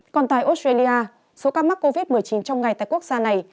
còn tại australia số ca mắc covid một mươi chín trong ngày tại quốc gia này